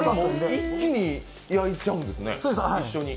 一気に焼いちゃうんですね、一緒に。